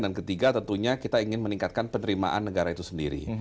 dan ketiga tentunya kita ingin meningkatkan penerimaan negara itu sendiri